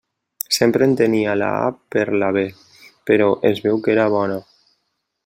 Sempre entenia la a per la be, però es veu que era bona.